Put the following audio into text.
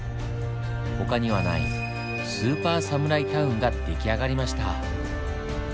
他にはないスーパー侍タウンが出来上がりました。